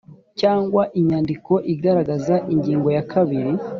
cyangwa inyandiko igaragaza ingingo ya kabiri